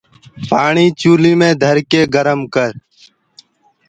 پآڻي چوليٚ پر ڌرڪي گرم ڪر۔